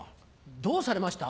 どうされました？